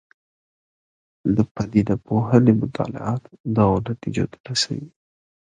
د پدیده پوهنې مطالعات دغو نتیجو ته رسوي.